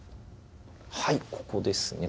はいここですね